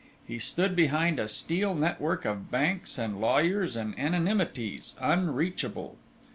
He stood behind a steel network of banks and lawyers and anonymities, unreachable.